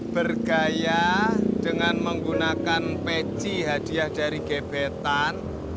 bergaya dengan menggunakan peci hadiah dari gebetan